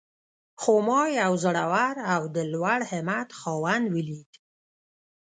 خو ما يو زړور او د لوړ همت خاوند وليد.